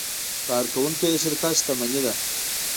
کارکوونکي د شرکت شتمني ده.